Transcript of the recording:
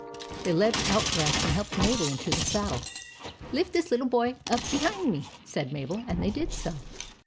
They led out Rex, and helped Mabel into the saddle. " Lift this little boy up behind me," said Mabel ; and they did so.